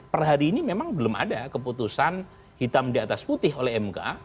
per hari ini memang belum ada keputusan hitam di atas putih oleh mk